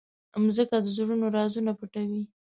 مځکه د زړونو رازونه پټوي.